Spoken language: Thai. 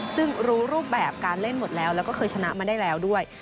ซึ่งรู้รูปแบบการเล่นหมดแล้วแล้วก็เคยชนะมาได้แล้วด้วย